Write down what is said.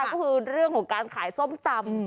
ก็คือเรื่องของการขายส้มตำ